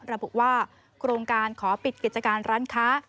ระบุว่าโครงการขอปิดกิจการร้านค้า